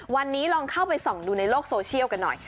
วันนี้ลองเข้าไปส่องดูในโลกโซเชียลกันหน่อย